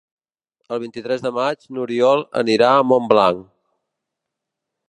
El vint-i-tres de maig n'Oriol anirà a Montblanc.